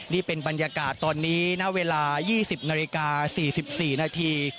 นี่เป็นบรรยากาศตอนนี้ณเวลา๒๐นาฬิกา๔๔นาที